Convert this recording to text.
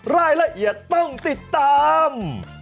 รายละเอียดต้องติดตาม